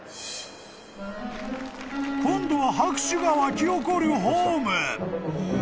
［今度は拍手が湧き起こるホーム］